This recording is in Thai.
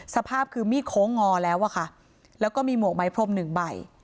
สภาพคือมีดโค้งงอแล้วอะค่ะแล้วก็มีหมวกไม้พรมหนึ่งใบ